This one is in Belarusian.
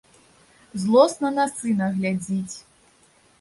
Злосна на сына глядзіць.